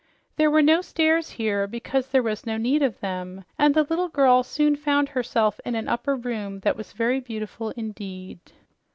There were no stairs here, because there was no need of them, and the little girl soon found herself in an upper room that was very beautiful indeed.